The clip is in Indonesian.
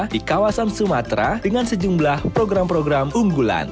di kawasan sumatera dengan sejumlah program program unggulan